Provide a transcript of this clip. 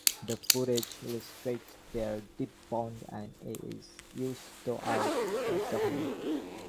The footage illustrates their deep bond and is used throughout the documentary.